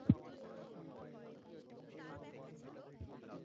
আমি আপনার সাথে যোগাযোগের চেষ্টা করেছি।